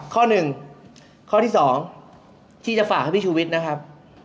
ข้อหนึ่งข้อที่๒ที่จะฝากให้พี่ชูวิทย์นะครับ